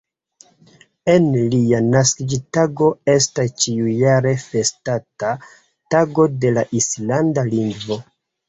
En lia naskiĝtago estas ĉiujare festata Tago de la islanda lingvo.